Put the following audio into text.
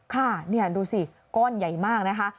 ค่ะนี่ดูสิก้อนใหญ่มากนะคะ